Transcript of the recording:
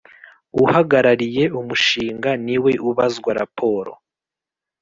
Uhagarariye umushinga niwe ubazwa Raporo